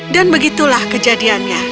dan begitulah kejadiannya